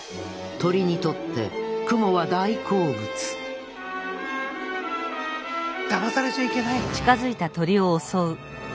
鳥にとってクモは大好物だまされちゃいけない！